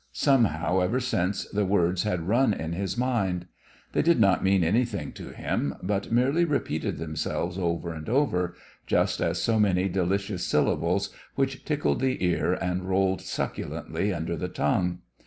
Somehow ever since the words had run in his mind. They did not mean anything to him, but merely repeated themselves over and over, just as so many delicious syllables which tickled the ear and rolled succulently under the tongue.